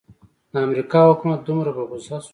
د امریکا حکومت دومره په غوسه شو.